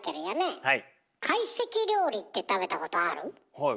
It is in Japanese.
はい。